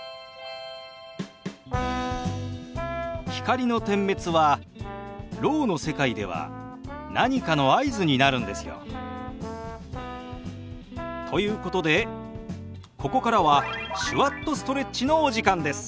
光の点滅はろうの世界では何かの合図になるんですよ。ということでここからは「手話っとストレッチ」のお時間です。